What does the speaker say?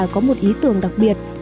có một ý tưởng đặc biệt